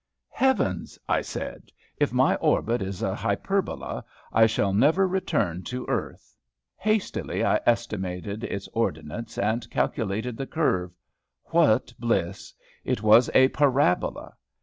"Heavens!" I said, "if my orbit is a hyperbola, I shall never return to earth." Hastily I estimated its ordinates, and calculated the curve. What bliss! It was a parabola!